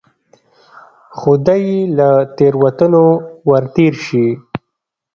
خدای یې له تېروتنو ورتېر شي.